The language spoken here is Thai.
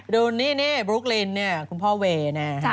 ดูนี่นี่บรุ๊คเลนเนี่ยคุณพ่อเวนะฮะ